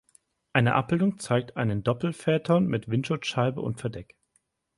Eine Abbildung zeigt einen Doppelphaeton mit Windschutzscheibe und Verdeck.